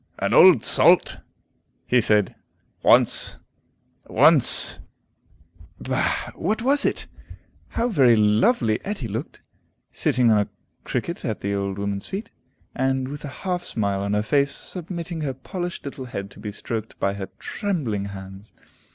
"An old salt," he said, "once once " Bah, what was it? How very lovely Etty looked, sitting on a cricket at the old woman's feet, and, with a half smile on her face, submitting her polished little head to be stroked by her trembling hands!